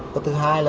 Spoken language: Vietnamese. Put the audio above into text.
và thứ hai là